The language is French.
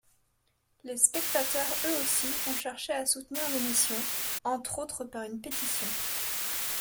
Les spectateurs eux aussi ont cherché à soutenir l'émission, entre autres par une pétition.